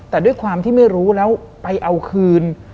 แต่ด้วยความที่ไม่รู้แล้วไปเอาคืน